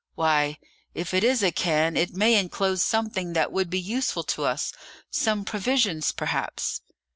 "Why, if it is a cairn, it may inclose something that would be useful to us some provisions perhaps."